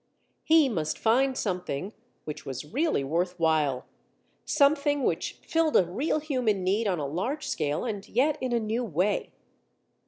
He must find something which was really worth while, something which filled a real human need on a large scale and yet in a new way.